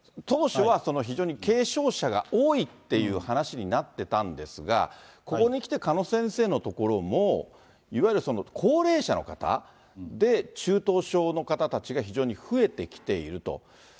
当初は、非常に軽症者が多いっていう話になってたんですが、ここにきて、鹿野先生の所も、いわゆる高齢者の方で、中等症の方たちが非常に増えてきていると。